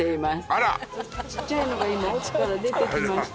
あらっちっちゃいのが今奥から出てきました